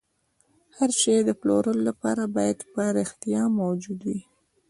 هر شی د پلورلو لپاره باید په رښتیا موجود وي